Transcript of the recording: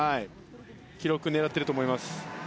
記録を狙っていると思います。